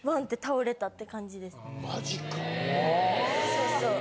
そうそう。